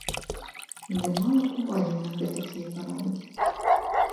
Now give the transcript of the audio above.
Ды мала ўвагі на гэтакія парады.